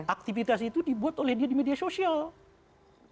aktivitas itu dibuat oleh dia di media sosial